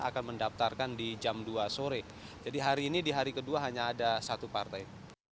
akan mendaftarkan di jam dua sore jadi hari ini di hari kedua hanya ada satu partai